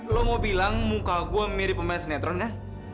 lo mau bilang muka gue mirip pemain sinetron kan